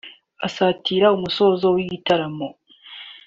Asatira umusozo w’igitaramo